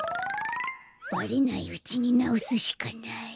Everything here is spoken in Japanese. バレないうちになおすしかない。